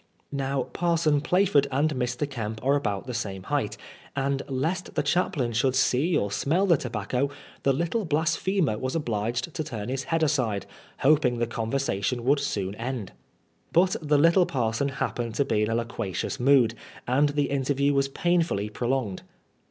Now Parson Plaford and Mr. Kemp are about the same height, and lest the chaplain should see or smell the tobacco, the little blasphemer was obliged to turn his head aside, hoping the conversatioir would soon end. But the little parson happened to be in a loquacious mood, and the interview was painfully pro longed.